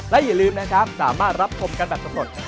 และอย่าลืมนะครับสามารถรับชมกันแบบสำรวจ